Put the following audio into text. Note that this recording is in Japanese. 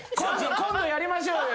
今度やりましょうよ。